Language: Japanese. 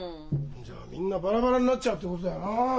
じゃあみんなバラバラになっちゃうってことだよな。